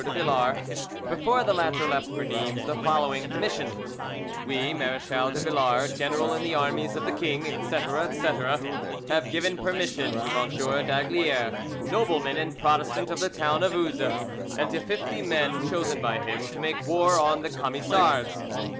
de Villars, before the latter left for Nimes, the following commission: "We, Marechal de Villars, general in the armies of the king, etc., etc., have given permission to M. d'Aygaliers, nobleman and Protestant of the town of Uzes, and to fifty men chosen by him, to make war on the Camisards.